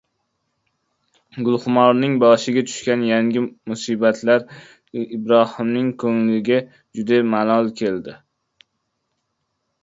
Gulxumorning boshiga tushgan yangi musibatlar Ibrohimning ko‘ngliga juda malol keldi